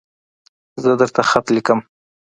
زه درته خط لیکم